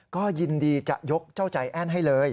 ก็ยินดีจะยกเจ้าใจแอ้นให้เลย